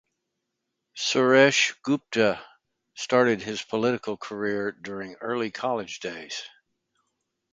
Suresh Gupta started his political career during early college days.